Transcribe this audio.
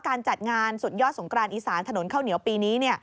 การจัดงานสุดยอดสงกรานอีสานถนนข้าวเหนียวปีนี้